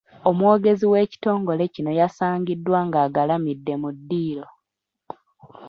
Omwogezi w'ekitongole kino yasangiddwa ng’agalimidde mu ddiiro.